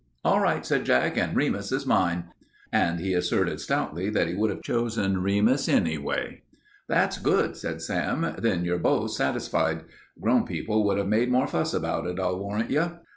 "All right," said Jack, "and Remus is mine." And he asserted stoutly that he would have chosen Remus anyway. "That's good," said Sam. "Then you're both satisfied. Grown people would have made more fuss about it, I'll warrant you.